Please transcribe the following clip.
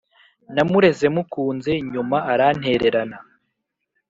Namureze mukunze nyuma arantererana